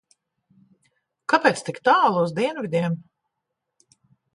Kāpēc tik tālu uz dienvidiem?